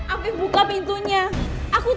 alvif buka pintunya alvif